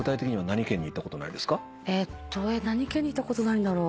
何県に行ったことないんだろう。